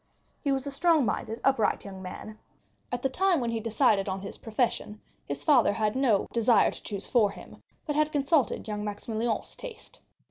He was a strong minded, upright young man. At the time when he decided on his profession his father had no desire to choose for him, but had consulted young Maximilian's taste.